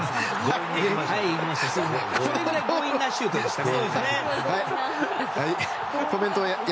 それぐらい強引なシュートでしたね。